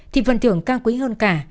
thì phần thưởng cao quý hơn cả